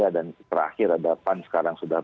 dan terakhir ada pan sekarang sudah